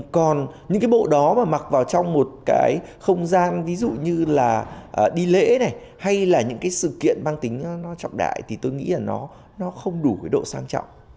còn những bộ áo dài truyền thống mà mặc vào trong một không gian như đi lễ hay sự kiện băng tính trọng đại thì tôi nghĩ là nó không đủ độ sang trọng